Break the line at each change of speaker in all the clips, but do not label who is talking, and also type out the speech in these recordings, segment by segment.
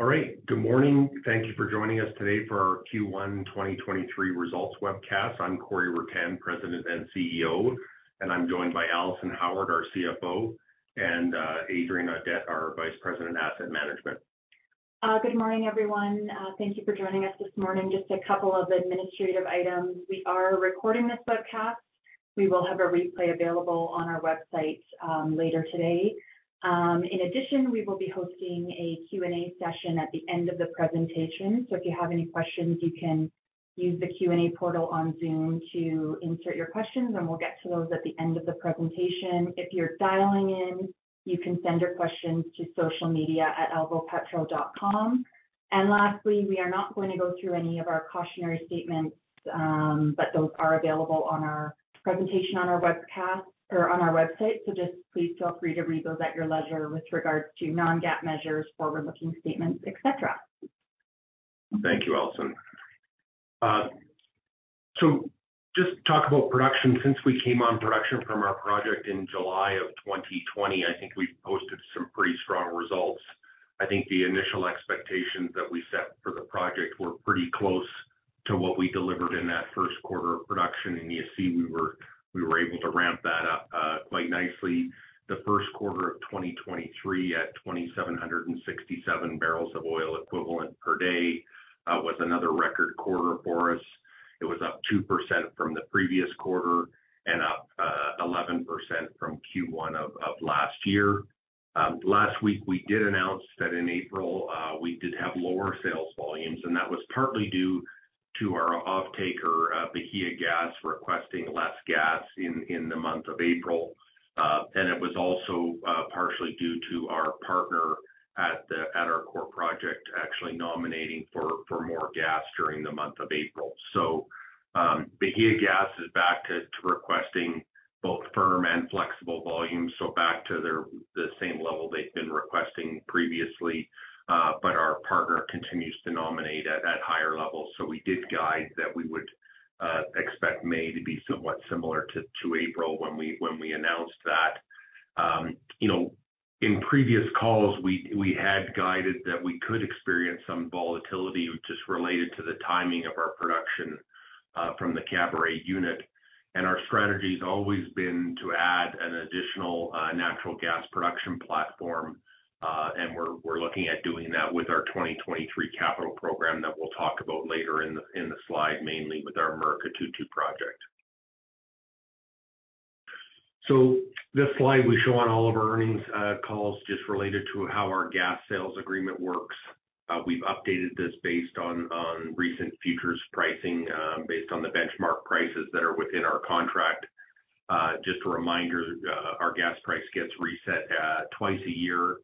All right. Good morning. Thank you for joining us today for our Q1 2023 results webcast. I'm Corey Ruttan, President and CEO, and I'm joined by Alison Howard, our CFO, and Adrian Audet, our Vice President, Asset Management.
Good morning, everyone. Thank you for joining us this morning. Just a couple of administrative items. We are recording this webcast. We will have a replay available on our website later today. In addition, we will be hosting a Q&A session at the end of the presentation, so if you have any questions, you can use the Q&A portal on Zoom to insert your questions, and we'll get to those at the end of the presentation. If you're dialing in, you can send your questions to socialmedia@alvopetro.com. Lastly, we are not going to go through any of our cautionary statements, those are available on our presentation on our webcast or on our website. Just please feel free to read those at your leisure with regards to non-GAAP measures, forward-looking statements, et cetera.
Thank you, Alison. So just talk about production. Since we came on production from our project in July of 2020, I think we've posted some pretty strong results. I think the initial expectations that we set for the project were pretty close to what we delivered in that first quarter of production. You see, we were able to ramp that up quite nicely. The first quarter of 2023 at 2,767 barrels of oil equivalent per day was another record quarter for us. It was up 2% from the previous quarter and up 11% from Q1 of last year. Last week, we did announce that in April, we did have lower sales volumes, and that was partly due to our offtaker, Bahiagás, requesting less gas in the month of April. And it was also partially due to our partner at our core project actually nominating for more gas during the month of April. Bahiagás is back to requesting both firm and flexible volumes, back to the same level they've been requesting previously. Our partner continues to nominate at higher levels. We did guide that we would expect May to be somewhat similar to April when we announced that. You know, in previous calls, we had guided that we could experience some volatility just related to the timing of our production from the Caburé unit. Our strategy has always been to add an additional natural gas production platform, and we're looking at doing that with our 2023 capital program that we'll talk about later in the slide, mainly with our Murucututu project. This slide we show on all of our earnings calls just related to how our gas sales agreement works. We've updated this based on recent futures pricing, based on the benchmark prices that are within our contract. Just a reminder, our gas price gets reset twice a year,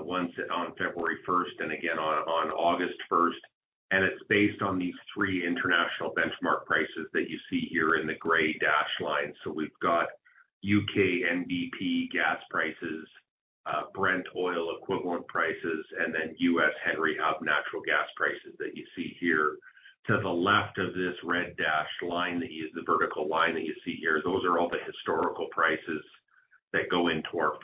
once on February 1st and again on August 1st, and it's based on these three international benchmark prices that you see here in the gray dashed line. We've got U.K. NBP gas prices, Brent oil equivalent prices, and then U.S. Henry Hub natural gas prices that you see here. To the left of this red dashed line the vertical line that you see here, those are all the historical prices that go into our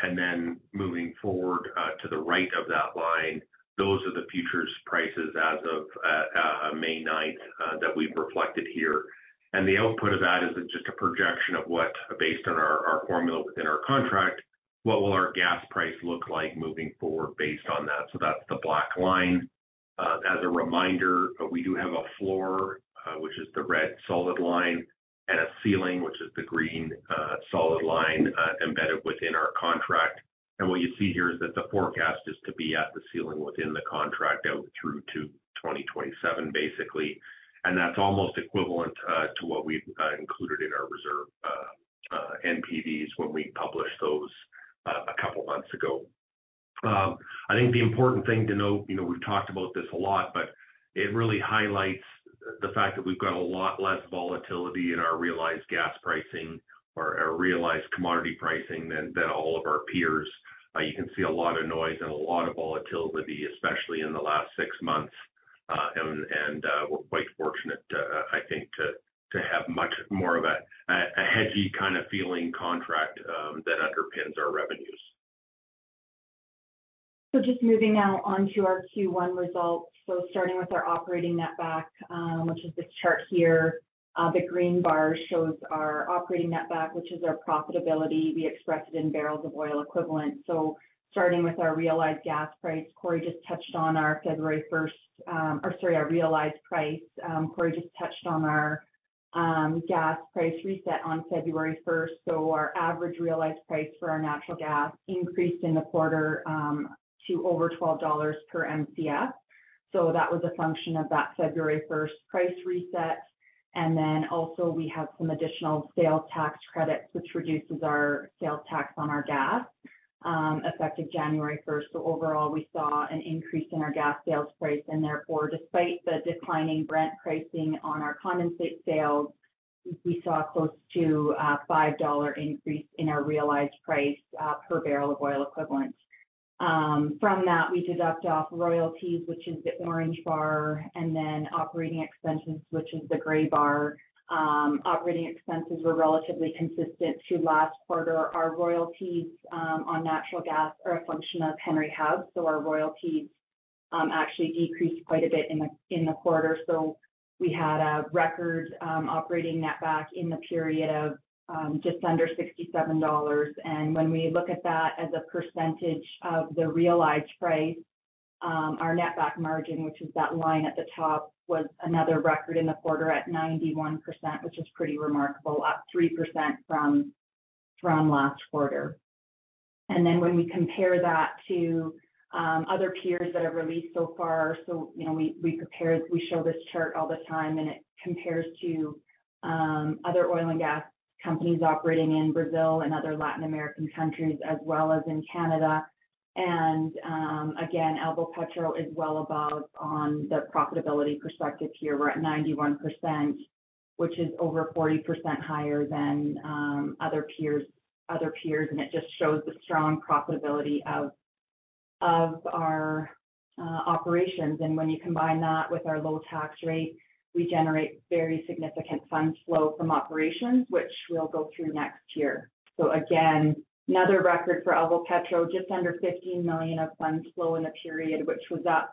formula. Moving forward, to the right of that line, those are the futures prices as of May 9th that we've reflected here. The output of that is just a projection of what, based on our formula within our contract, what will our gas price look like moving forward based on that. That's the black line. As a reminder, we do have a floor, which is the red solid line, and a ceiling, which is the green solid line, embedded within our contract. What you see here is that the forecast is to be at the ceiling within the contract out through to 2027, basically. That's almost equivalent to what we've included in our reserve NPVs when we published those a couple months ago. I think the important thing to note, you know, we've talked about this a lot, but it really highlights the fact that we've got a lot less volatility in our realized gas pricing or our realized commodity pricing than all of our peers. You can see a lot of noise and a lot of volatility, especially in the last six months. We're quite fortunate, I think to have much more of a heady kind of feeling contract that underpins our revenues.
Just moving now onto our Q1 results. starting with our operating netback, which is this chart here. The green bar shows our operating netback, which is our profitability. We express it in barrels of oil equivalent. starting with our realized gas price, Corey just touched on our February 1st realized price. Corey just touched on our gas price reset on February 1st. Our average realized price for our natural gas increased in the quarter to over $12 per Mcf. That was a function of that February 1st price reset. We have some additional sales tax credits, which reduces our sales tax on our gas effective January 1st. Overall, we saw an increase in our gas sales price, and therefore, despite the declining Brent pricing on our condensate sales, we saw close to a $5 increase in our realized price per barrel of oil equivalent. From that, we deduct off royalties, which is the orange bar, and then operating expenses, which is the gray bar. Operating expenses were relatively consistent to last quarter. Our royalties on natural gas are a function of Henry Hub, our royalties actually decreased quite a bit in the quarter. We had a record operating netback in the period of just under $67. When we look at that as a percentage of the realized price, our net back margin, which is that line at the top, was another record in the quarter at 91%, which is pretty remarkable, up 3% from last quarter. When we compare that to other peers that have released so far. You know, we show this chart all the time, and it compares to other oil and gas companies operating in Brazil and other Latin American countries, as well as in Canada. Again, Alvopetro is well above on the profitability perspective here. We're at 91%, which is over 40% higher than other peers, and it just shows the strong profitability of our operations. When you combine that with our low tax rate, we generate very significant fund flow from operations, which we'll go through next here. Again, another record for Alvopetro, just under $15 million of fund flow in the period, which was up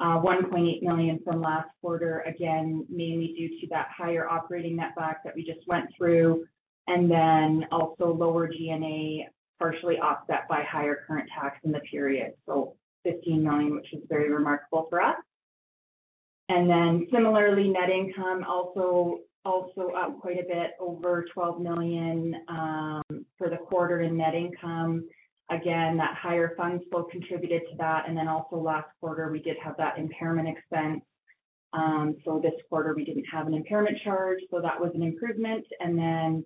$1.8 million from last quarter, again, mainly due to that higher operating netback that we just went through, and then also lower G&A, partially offset by higher current tax in the period. $15 million, which is very remarkable for us. Similarly, net income also up quite a bit, over $12 million for the quarter in net income. That higher fund flow contributed to that. Also last quarter, we did have that impairment expense. This quarter we didn't have an impairment charge, that was an improvement. Then,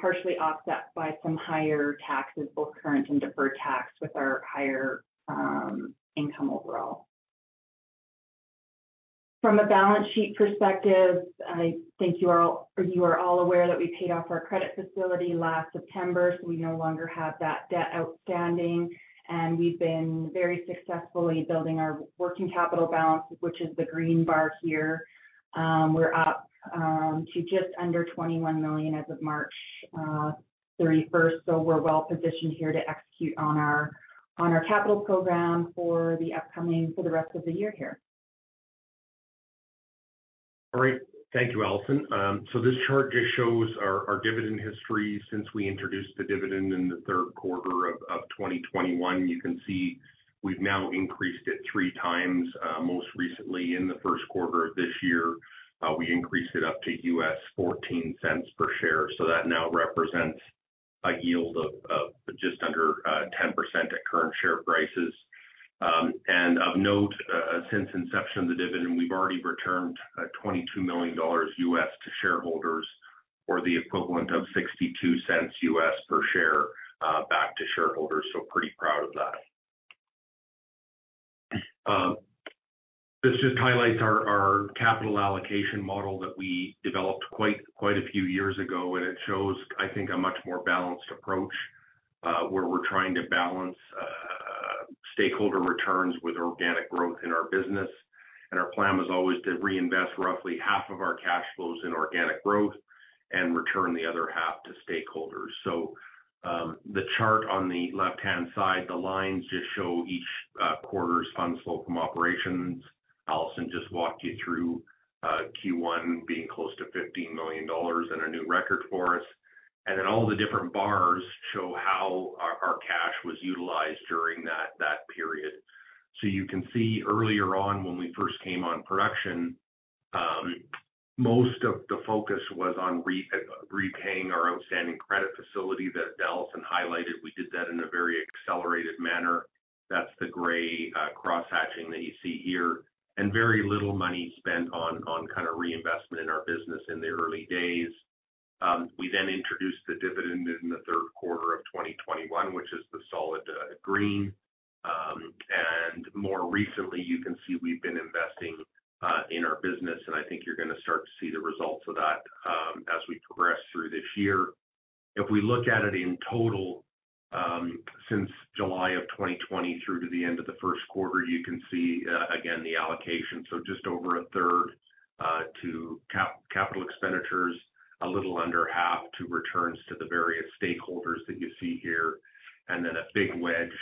partially offset by some higher taxes, both current and deferred tax, with our higher income overall. From a balance sheet perspective, I think you are all aware that we paid off our credit facility last September, so we no longer have that debt outstanding. We've been very successfully building our working capital balance, which is the green bar here. We're up to just under $21 million as of March 31st. We're well-positioned here to execute on our, on our capital program for the upcoming for the rest of the year here.
All right. Thank you, Alison. This chart just shows our dividend history since we introduced the dividend in the third quarter of 2021. You can see we've now increased it three times. Most recently in the first quarter of this year, we increased it up to $0.14 per share. That now represents a yield of just under 10% at current share prices. Of note, since inception of the dividend, we've already returned $22 million to shareholders, or the equivalent of $0.62 per share, back to shareholders. Pretty proud of that. This just highlights our capital allocation model that we developed quite a few years ago. It shows, I think, a much more balanced approach, where we're trying to balance stakeholder returns with organic growth in our business. Our plan was always to reinvest roughly half of our cash flows in organic growth and return the other half to stakeholders. The chart on the left-hand side, the lines just show each quarter's fund flow from operations. Alison just walked you through Q1 being close to $15 million and a new record for us. All the different bars show how our cash was utilized during that period. You can see earlier on when we first came on production, most of the focus was on repaying our outstanding credit facility that Alison highlighted. We did that in a very accelerated manner. That's the gray cross hatching that you see here. Very little money spent on kinda reinvestment in our business in the early days. We introduced the dividend in the third quarter of 2021, which is the solid green. More recently, you can see we've been investing in our business, and I think you're gonna start to see the results of that as we progress through this year. If we look at it in total, since July of 2020 through to the end of the first quarter, you can see again, the allocation. Just over a third to capital expenditures, a little under half to returns to the various stakeholders that you see here, and then a big wedge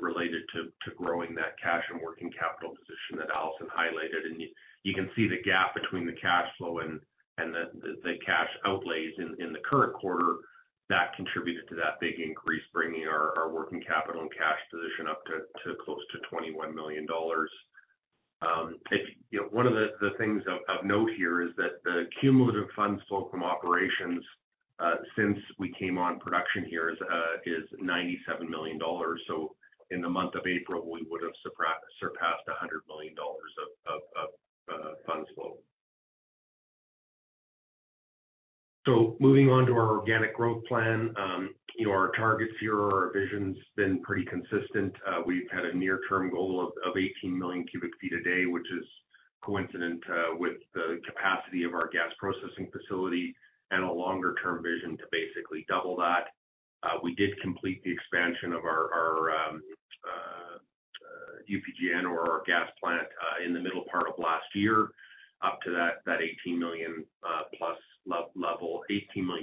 related to growing that cash and working capital position that Alison highlighted. You can see the gap between the cash flow and the cash outlays in the current quarter that contributed to that big increase, bringing our working capital and cash position up to close to $21 million. One of the things of note here is that the cumulative funds flow from operations, since we came on production here is $97 million. In the month of April, we would have surpassed $100 million of funds flow. Moving on to our organic growth plan. You know, our targets here or our vision's been pretty consistent. We've had a near-term goal of 18 million cubic feet a day, which is coincident with the capacity of our gas processing facility and a longer-term vision to basically double that. We did complete the expansion of our UPGN or our gas plant in the middle part of last year up to that 18 million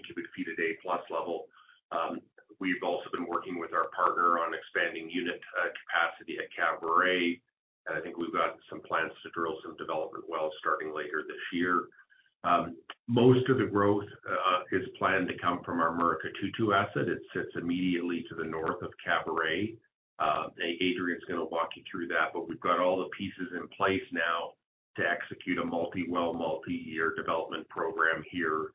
cubic feet a day plus level. We've also been working with our partner on expanding unit capacity at Caburé. I think we've got some plans to drill some development wells starting later this year. Most of the growth is planned to come from our Murucututu asset. It sits immediately to the north of Caburé. Adrian's gonna walk you through that. We've got all the pieces in place now to execute a multi-well, multi-year development program here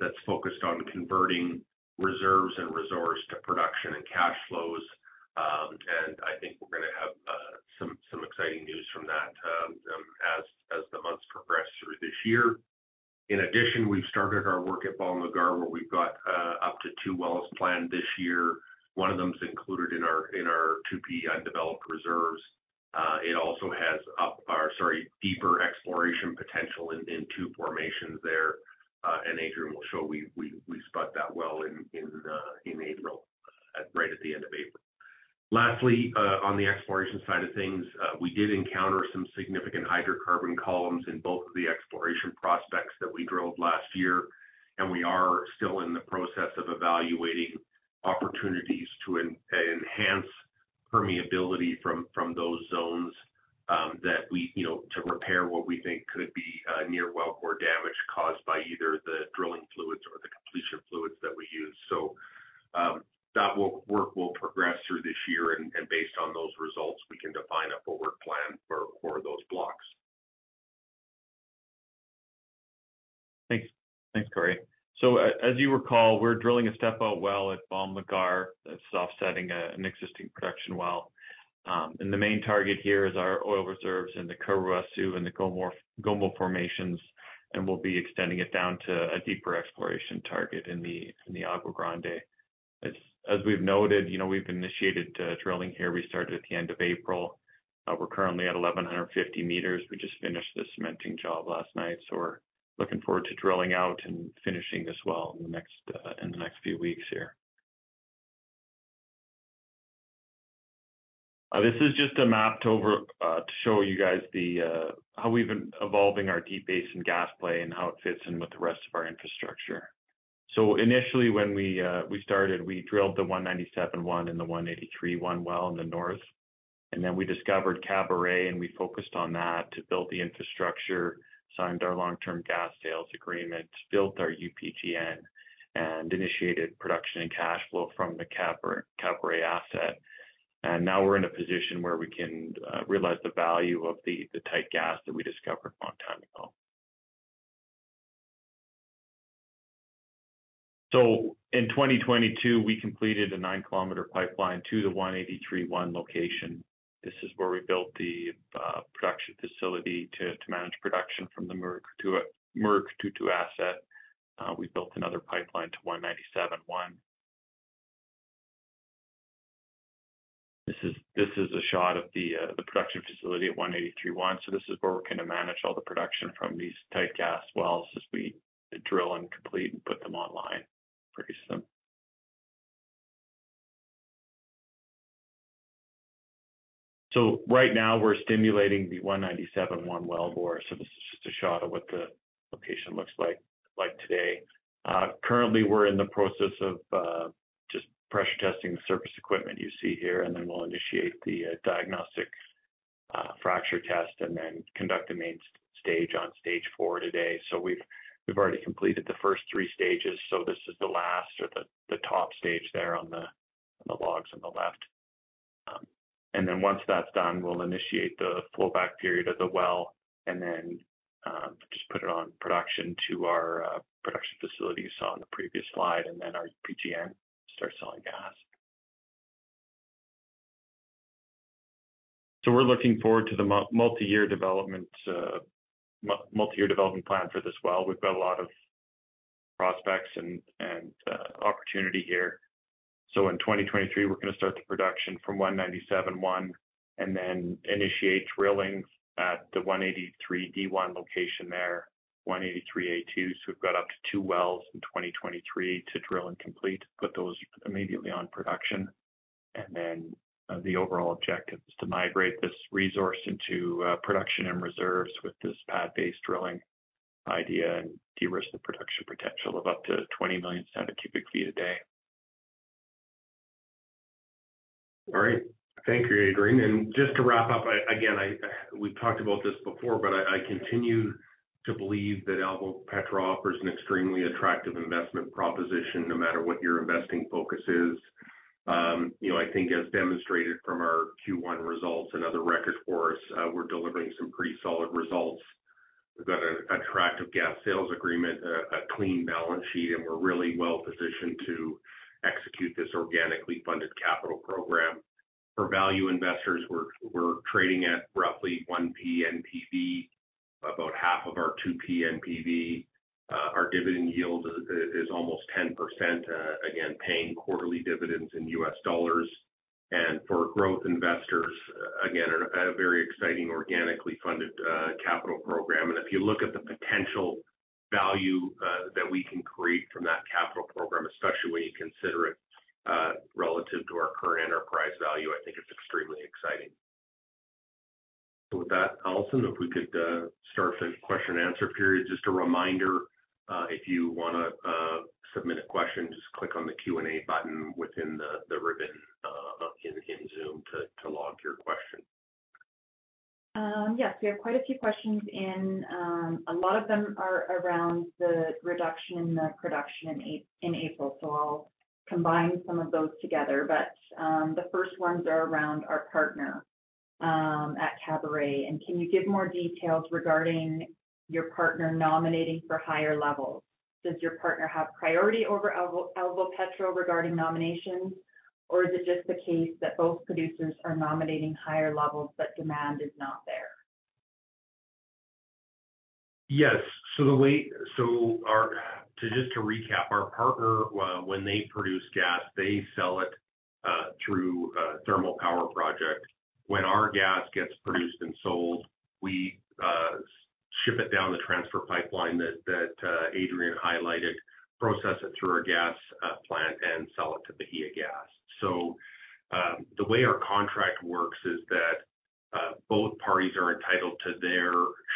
that's focused on converting reserves and resource to production and cash flows. I think we're gonna have some exciting news from that as the months progress through this year. In addition, we've started our work at Bom Lugar, where we've got up to two wells planned this year. One of them is included in our 2P undeveloped reserves. It also has deeper exploration potential in two formations there. Adrian will show we spud that well in April, right at the end of April. Lastly, on the exploration side of things, we did encounter some significant hydrocarbon columns in both of the exploration prospects that we drilled last year, and we are still in the process of evaluating opportunities to enhance permeability from those zones. You know, to repair what we think could be near wellbore damage caused by either the drilling fluids or the completion fluids that we use. Work will progress through this year and based on those results, we can define a forward plan for those blocks.
Thanks. Thanks, Corey. As you recall, we're drilling a step-out well at Bom Lugar. That's offsetting an existing production well. The main target here is our oil reserves in the Caruaçu and the Gomo formations, we'll be extending it down to a deeper exploration target in the Água Grande. As we've noted, you know, we've initiated drilling here. We started at the end of April. We're currently at 1,150 meters. We just finished the cementing job last night, we're looking forward to drilling out and finishing this well in the next few weeks here. This is just a map to show you guys how we've been evolving our Deep Basin gas play and how it fits in with the rest of our infrastructure. Initially, when we started, we drilled the 197-1 and the 183-1 well in the north. Then we discovered Caburé, and we focused on that to build the infrastructure, signed our long-term gas sales agreement, built our UPGN, and initiated production and cash flow from the Caburé asset. Now we're in a position where we can realize the value of the tight gas that we discovered a long time ago. In 2022, we completed a 9 km pipeline to the 183-1 location. This is where we built the production facility to manage production from the Murucututu asset. We built another pipeline to 197-1. This is a shot of the production facility at 183-1. This is where we're going to manage all the production from these tight gas wells as we drill and complete and put them online pretty soon. Right now, we're stimulating the 197-1 wellbore. This is just a shot of what the location looks like today. Currently, we're in the process of just pressure testing the surface equipment you see here, and then we'll initiate the diagnostic fracture test and then conduct the main stage on stage four today. We've already completed the first three stages, so this is the last or the top stage there on the logs on the left. Once that's done, we'll initiate the flowback period of the well and then just put it on production to our production facility you saw on the previous slide, and then our UPGN starts selling gas. We're looking forward to the multi-year development plan for this well. We've got a lot of prospects and opportunity here. In 2023, we're gonna start the production from 197-1 and then initiate drilling at the 183-D1 location there, 183-A2. We've got up to two wells in 2023 to drill and complete, put those immediately on production. The overall objective is to migrate this resource into production and reserves with this pad-based drilling idea and de-risk the production potential of up to 20 million standard cubic feet a day.
All right. Thank you, Adrian. Just to wrap up, again, I continue to believe that Alvopetro offers an extremely attractive investment proposition no matter what your investing focus is. You know, I think as demonstrated from our Q1 results, another record for us, we're delivering some pretty solid results. We've got an attractive gas sales agreement, a clean balance sheet, and we're really well-positioned to execute this organically funded capital program. For value investors, we're trading at roughly 1P NPV, about half of our 2P NPV. Our dividend yield is almost 10%, again, paying quarterly dividends in USD. For growth investors, again, a very exciting organically funded capital program. If you look at the potential value that we can create from that capital program, especially when you consider Value, I think it's extremely exciting. With that, Alison, if we could start the question and answer period. Just a reminder, if you wanna submit a question, just click on the Q&A button within the ribbon in Zoom to log your question.
Yes, we have quite a few questions in, a lot of them are around the reduction in the production in April. I'll combine some of those together. The first ones are around our partner at Caburé. Can you give more details regarding your partner nominating for higher levels? Does your partner have priority over Alvopetro regarding nominations, or is it just the case that both producers are nominating higher levels, but demand is not there?
Yes. To just to recap, our partner, when they produce gas, they sell it through a thermal power project. When our gas gets produced and sold, we ship it down the transfer pipeline that Adrian highlighted, process it through our gas plant, and sell it to Bahiagás. The way our contract works is that both parties are entitled to their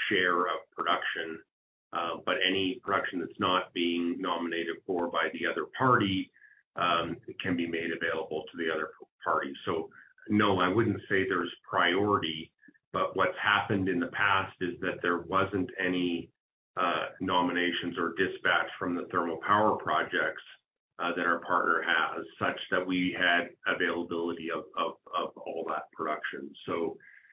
share of production. Any production that's not being nominated for by the other party, it can be made available to the other party. No, I wouldn't say there's priority, but what's happened in the past is that there wasn't any nominations or dispatch from the thermal power projects that our partner has, such that we had availability of all that production.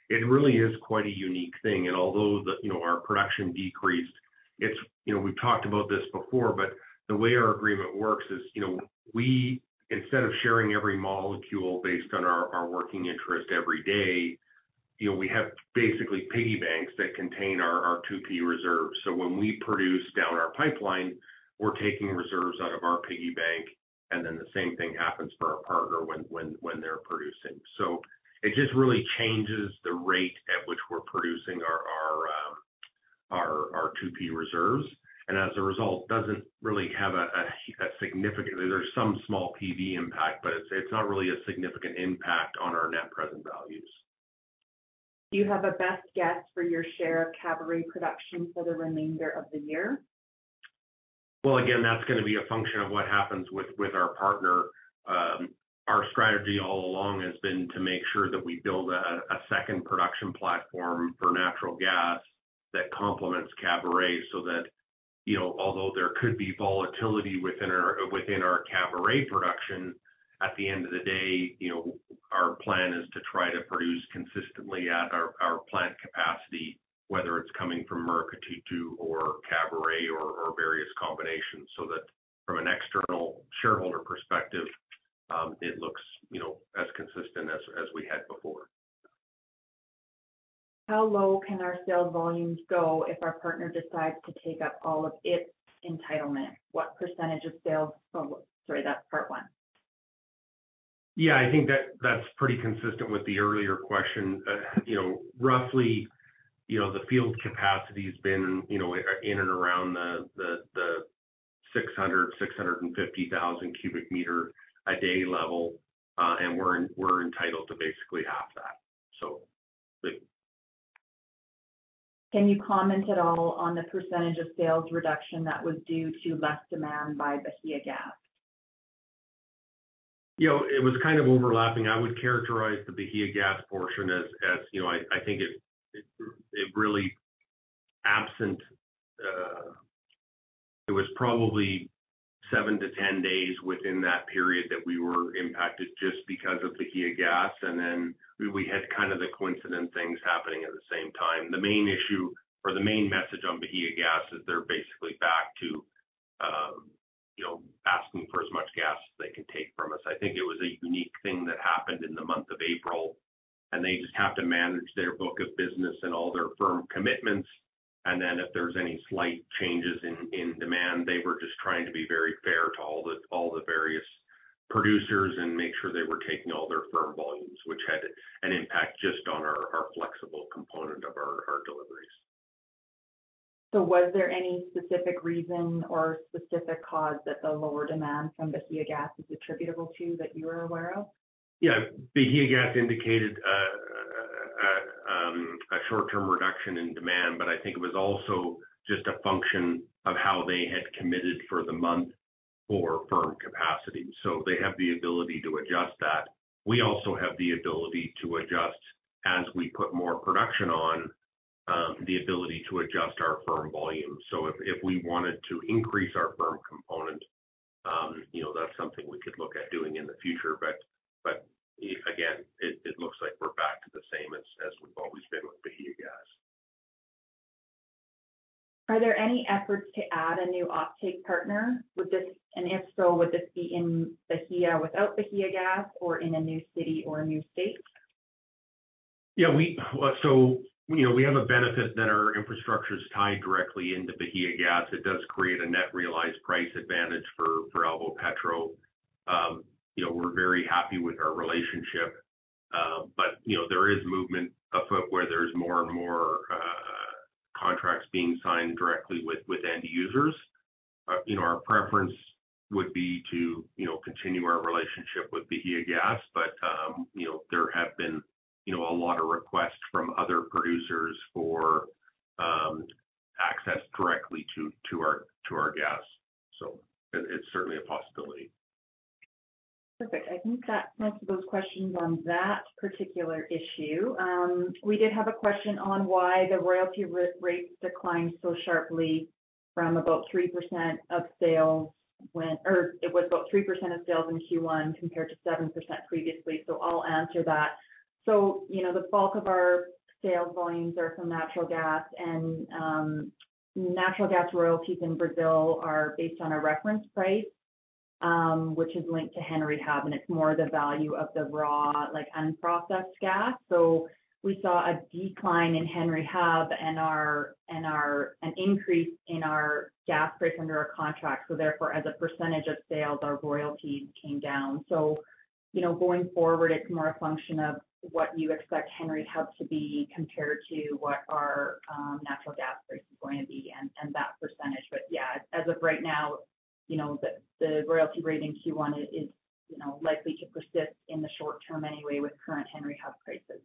It really is quite a unique thing. And although the, you know, our production decreased, it's, you know, we've talked about this before, but the way our agreement works is, you know, we instead of sharing every molecule based on our working interest every day, you know, we have basically piggy banks that contain our 2P reserves. When we produce down our pipeline, we're taking reserves out of our piggy bank, and then the same thing happens for our partner when they're producing. It just really changes the rate at which we're producing our 2P reserves, and as a result, doesn't really have a significant... There's some small PV impact, but it's not really a significant impact on our net present values.
Do you have a best guess for your share of Caburé production for the remainder of the year?
Well, again, that's gonna be a function of what happens with our partner. Our strategy all along has been to make sure that we build a second production platform for natural gas that complements Caburé so that, you know, although there could be volatility within our Caburé production, at the end of the day, you know, our plan is to try to produce consistently at our plant capacity, whether it's coming from Murucututu or Caburé or various combinations. That from an external shareholder perspective, it looks, you know, as consistent as we had before.
How low can our sales volumes go if our partner decides to take up all of its entitlement? What percentage of sales... Oh, sorry, that's part one.
Yeah, I think that's pretty consistent with the earlier question. You know, roughly, you know, the field capacity's been, you know, in and around the 600, 650,000 cubic meter a day level. We're entitled to basically half that, so.
Can you comment at all on the % of sales reduction that was due to less demand by Bahiagás?
You know, it was kind of overlapping. I would characterize the Bahiagás portion as, you know, I think it really absent, it was probably seven to 10 days within that period that we were impacted just because of Bahiagás. Then we had kind of the coincident things happening at the same time. The main issue or the main message on Bahiagás is they're basically back to, you know, asking for as much gas as they can take from us. I think it was a unique thing that happened in the month of April, they just have to manage their book of business and all their firm commitments. If there's any slight changes in demand, they were just trying to be very fair to all the, all the various producers and make sure they were taking all their firm volumes, which had an impact just on our flexible component of our deliveries.
Was there any specific reason or specific cause that the lower demand from Bahiagás is attributable to that you are aware of?
Yeah. Bahiagás indicated a short-term reduction in demand, but I think it was also just a function of how they had committed for the month for firm capacity. They have the ability to adjust that. We also have the ability to adjust as we put more production on, the ability to adjust our firm volume. If we wanted to increase our firm component, you know, that's something we could look at doing in the future. If, again, it looks like we're back to the same as we've always been with Bahiagás.
Are there any efforts to add a new offtake partner? If so, would this be in Bahia without Bahiagás or in a new city or a new state?
Yeah, we, you know, we have a benefit that our infrastructure's tied directly into Bahiagás. It does create a net realized price advantage for Alvopetro. You know, we're very happy with our relationship. But you know, there is movement afoot where there's more and more Contracts being signed directly with end users. You know, our preference would be to, you know, continue our relationship with Bahiagás, but, you know, there have been, you know, a lot of requests from other producers for access directly to our gas. It, it's certainly a possibility.
Perfect. I think that answers those questions on that particular issue. We did have a question on why the royalty rates declined so sharply from about 3% of sales in Q1 compared to 7% previously. I'll answer that. You know, the bulk of our sales volumes are from natural gas and natural gas royalties in Brazil are based on a reference price, which is linked to Henry Hub, and it's more the value of the raw, like, unprocessed gas. We saw a decline in Henry Hub and an increase in our gas price under our contract. Therefore, as a percentage of sales, our royalties came down. You know, going forward, it's more a function of what you expect Henry Hub to be compared to what our natural gas price is going to be and that percentage. Yeah, as of right now, you know, the royalty rate in Q1 is likely to persist in the short term anyway with current Henry Hub prices.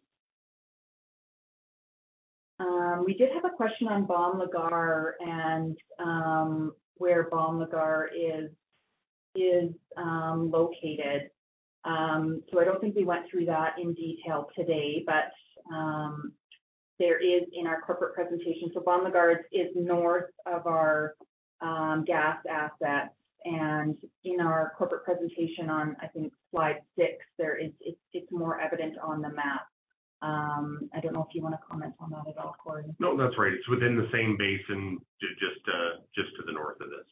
We did have a question on Bom Lugar and where Bom Lugar is located. I don't think we went through that in detail today, but there is in our corporate presentation. Bom Lugar is north of our gas assets. In our corporate presentation on, I think, slide six, there is, it's more evident on the map. I don't know if you wanna comment on that at all, Corey?
No. That's right. It's within the same basin just to the north of this.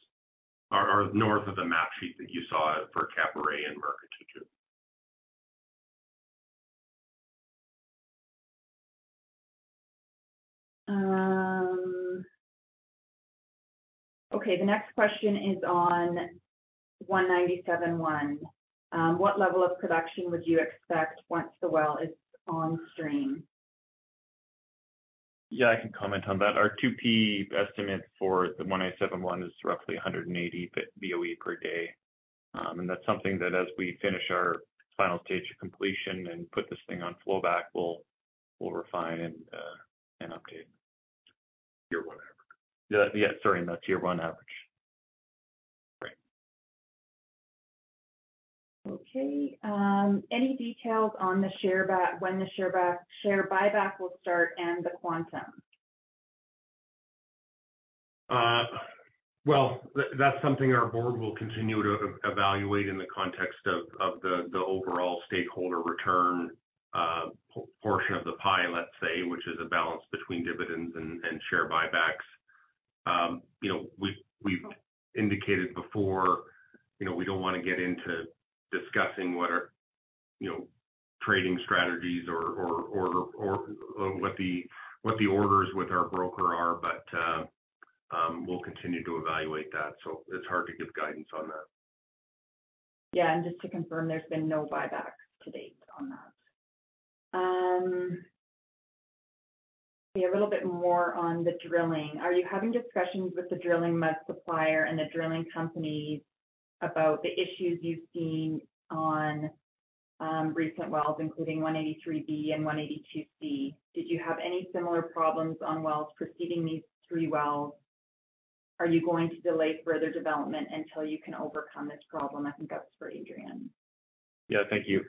Or north of the map sheet that you saw for Caburé and Murucututu.
Okay, the next question is on 197-1. What level of production would you expect once the well is on stream?
Yeah, I can comment on that. Our 2P estimate for the 187-1 is roughly 180 boe per day. That's something that as we finish our final stage of completion and put this thing on flowback, we'll refine and update.
Year one average.
Yeah, sorry, the year one average.
Right.
Okay. Any details on the share buyback will start and the quantum?
Well, that's something our board will continue to evaluate in the context of the overall stakeholder return portion of the pie, let's say, which is a balance between dividends and share buybacks. You know, we've indicated before, you know, we don't wanna get into discussing what our, you know, trading strategies or what the orders with our broker are. We'll continue to evaluate that. So it's hard to give guidance on that.
And just to confirm, there's been no buybacks to date on that. A little bit more on the drilling. Are you having discussions with the drilling mud supplier and the drilling companies about the issues you've seen on recent wells, including 183-B1 and 182-C? Did you have any similar problems on wells preceding these three wells? Are you going to delay further development until you can overcome this problem? I think that's for Adrian.
Thank you.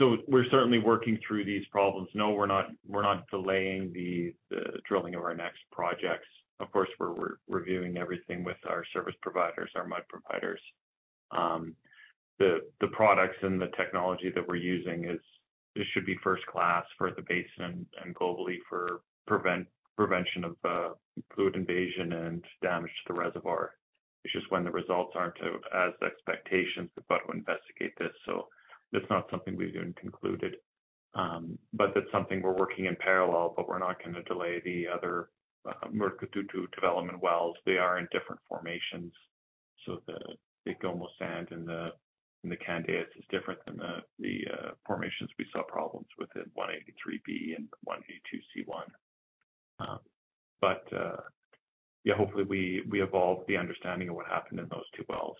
We're certainly working through these problems. No, we're not, we're not delaying the drilling of our next projects. Of course, we're re-reviewing everything with our service providers, our mud providers. The products and the technology that we're using is... it should be first class for the basin and globally for prevention of fluid invasion and damage to the reservoir. It's just when the results aren't as the expectations, we've got to investigate this. That's not something we've concluded. But that's something we're working in parallel, but we're not gonna delay the other Murucututu development wells. They are in different formations. The Biguaçu Sand and the Candeias is different than the formations we saw problems with in 183-B and 182-C1. Yeah, hopefully we evolve the understanding of what happened in those two wells.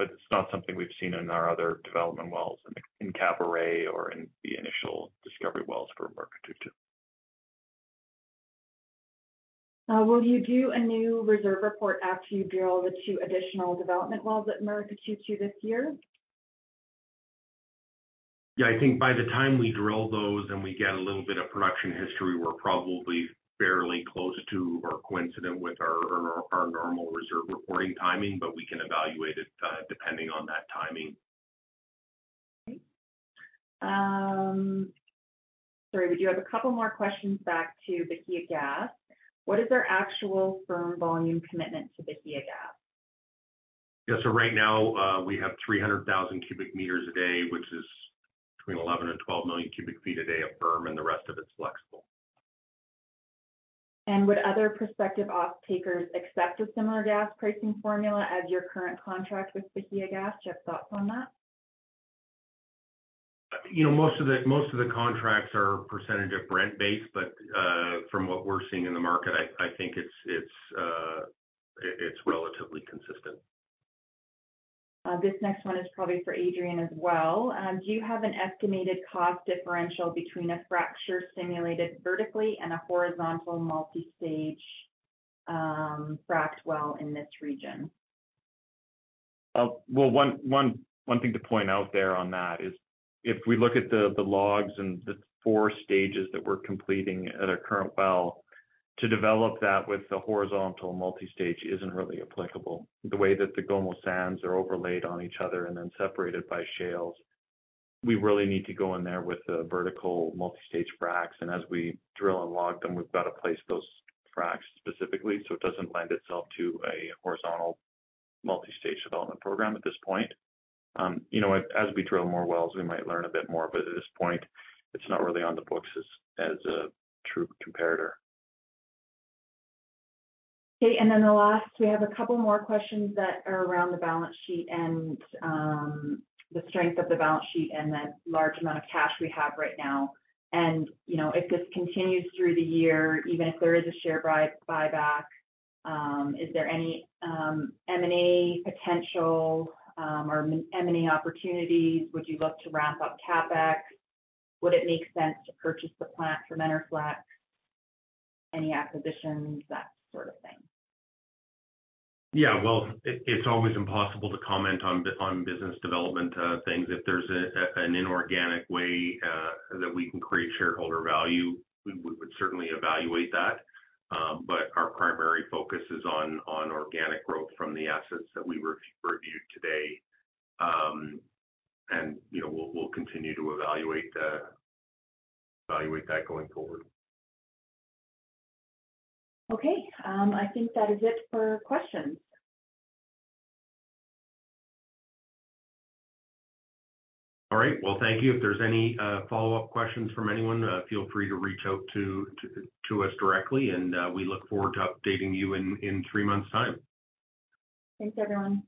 It's not something we've seen in our other development wells in Caburé or in the initial discovery wells for Murucututu.
Will you do a new reserve report after you drill the two additional development wells at Murucututu this year?
Yeah. I think by the time we drill those and we get a little bit of production history, we're probably fairly close to or coincident with our normal reserve reporting timing. We can evaluate it depending on that timing.
Okay. sorry, we do have a couple more questions back to Bahiagás. What is their actual firm volume commitment to Bahiagás?
Yeah. Right now, we have 300,000 cubic meters a day, which is between 11 and 12 million cubic feet a day of firm, and the rest of it's flexible.
Would other prospective off-takers accept a similar gas pricing formula as your current contract with Bahiagás? Do you have thoughts on that?
You know, most of the contracts are % of rent base, but from what we're seeing in the market, I think it's relatively consistent.
This next one is probably for Adrian as well. Do you have an estimated cost differential between a fracture stimulated vertically and a horizontal multi-stage fracked well in this region?
Well, one thing to point out there on that is if we look at the logs and the 4 stages that we're completing at our current well, to develop that with the horizontal multi-stage isn't really applicable. The way that the Gomo sands are overlaid on each other and then separated by shales, we really need to go in there with the vertical multi-stage fracs. As we drill and log them, we've got to place those fracs specifically so it doesn't lend itself to a horizontal multi-stage development program at this point. You know, as we drill more wells, we might learn a bit more. At this point, it's not really on the books as a true comparator.
Okay. The last, we have a couple more questions that are around the balance sheet and the strength of the balance sheet and the large amount of cash we have right now. You know, if this continues through the year, even if there is a share buyback, is there any M&A potential or M&A opportunities? Would you look to ramp up CapEx? Would it make sense to purchase the plant from Enerflex? Any acquisitions, that sort of thing.
Yeah. Well, it's always impossible to comment on business development things. If there's an inorganic way that we can create shareholder value, we would certainly evaluate that. Our primary focus is on organic growth from the assets that we reviewed today. You know, we'll continue to evaluate that going forward.
Okay. I think that is it for questions.
All right. Well, thank you. If there's any follow-up questions from anyone, feel free to reach out to us directly. We look forward to updating you in three months' time.
Thanks, everyone.